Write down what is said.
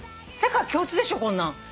世界共通でしょこんなん。